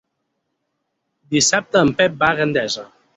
Dissabte en Pep va a Gandesa.